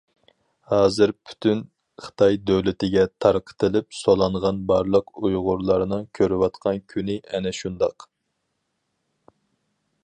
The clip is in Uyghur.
ھازىر پۈتۈن خىتاي دۆلىتىگە تارقىتىلىپ سولانغان بارلىق ئۇيغۇرلارنىڭ كۆرۈۋاتقان كۈنى ئەنە شۇنداق.